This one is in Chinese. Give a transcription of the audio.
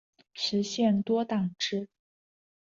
实行多党制。